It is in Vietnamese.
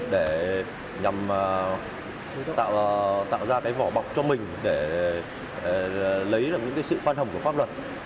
để nhằm tạo ra cái vỏ bọc cho mình để lấy được những cái sự phan hầm của pháp luật